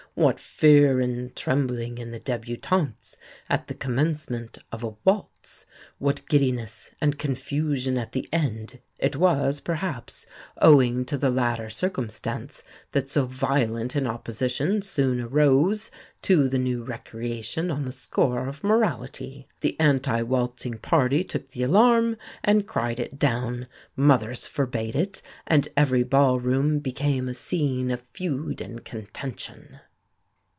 What fear and trembling in the débutantes at the commencement of a waltz, what giddiness and confusion at the end! It was, perhaps, owing to the latter circumstance that so violent an opposition soon arose to the new recreation on the score of morality. The anti waltzing party took the alarm, and cried it down; mothers forbade it, and every ballroom became a scene of feud and contention."